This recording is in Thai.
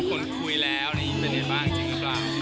คนคุยแล้วนี่เป็นอะไรบ้างจริงหรือเปล่า